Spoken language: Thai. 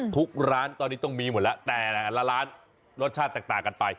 ทุกร้านตอนนี้ต้องมีหมดแล้วแต่ละร้านรสชาติแตกต่างกันไป